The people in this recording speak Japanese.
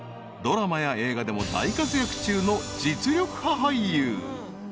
［ドラマや映画でも大活躍中の実力派俳優］